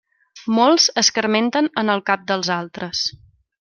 Molts escarmenten en el cap dels altres.